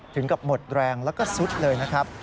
ถึงกับหมดแรงแล้วก็ซุดเลยนะครับ